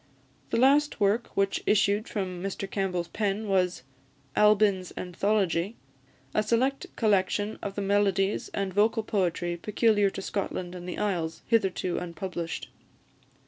The last work which issued from Mr Campbell's pen was "Albyn's Anthology, a Select Collection of the Melodies and Vocal Poetry Peculiar to Scotland and the Isles, hitherto Unpublished."